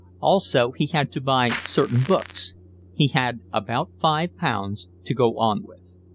Also he had to buy certain books. He had about five pounds to go on with.